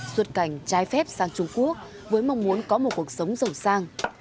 xuất cảnh trái phép sang trung quốc với mong muốn có một cuộc sống giàu sang